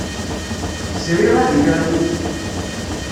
Sriɣ ad iliɣ yid-k.